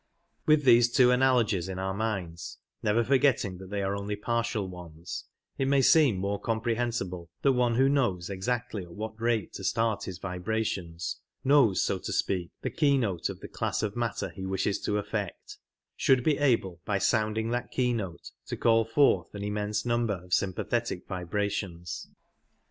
With these two analogies in our minds (never forgetting that they are only partial ones) it may seem more comprehensible that one who knows exactly at what rate to start his vibrations — knows, so to speak, the keynote of the class of matter he wishes to affect — should be able by sounding that keynote to call forth an immense number of sympathetic vibrations.